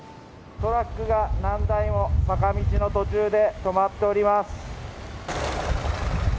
トラックが何台も坂道の途中で止まっております。